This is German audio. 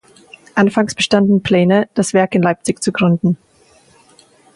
Anfangs bestanden Pläne, das Werk in Leipzig zu gründen.